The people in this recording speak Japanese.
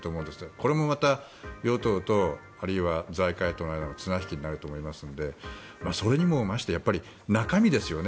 これもまた与党とあるいは財界との間の綱引きになると思いますのでそれにもましてやっぱり中身ですよね。